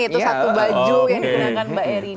satu baju yang dikenakan mbak erina